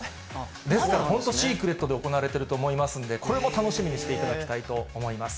ですから、本当、シークレットで行われていると思いますので、これも楽しみにしていただきたいと思います。